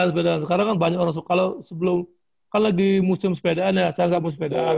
sepeda sekarang kan banyak orang suka kalau sebelum kan lagi musim sepedaan ya saya nggak mau sepedaan